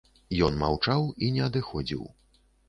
Ён маўчаў і не адыходзіў.